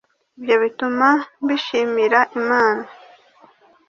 ibyo bituma mbishimira imana.